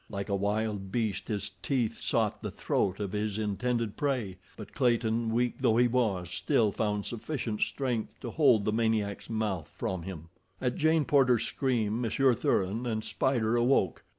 Like a wild beast his teeth sought the throat of his intended prey, but Clayton, weak though he was, still found sufficient strength to hold the maniac's mouth from him. At Jane Porter's scream Monsieur Thuran and Spider awoke.